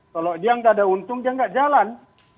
kalau dia nggak ada untung dia nggak jalan